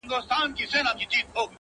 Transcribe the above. ځيني يې لوړ هنر بولي تل,